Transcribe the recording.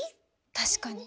確かに。